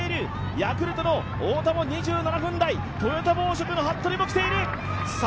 ヤクルトの太田も２７分台、トヨタ紡織の服部も来ている。